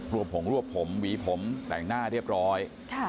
วบผงรวบผมหวีผมแต่งหน้าเรียบร้อย